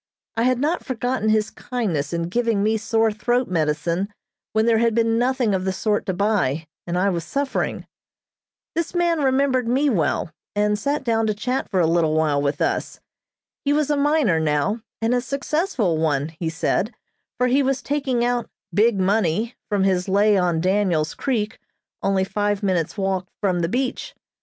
I had not forgotten his kindness in giving me sore throat medicine when there had been nothing of the sort to buy, and I was suffering. This man remembered me well, and sat down to chat for a little while with us. He was a miner now, and a successful one, he said, for he was taking out "big money" from his lay on Daniels Creek, only five minutes' walk from the beach.